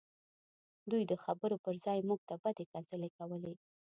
دوی د خبرو پرځای موږ ته بدې کنځلې کولې